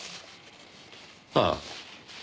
ああ。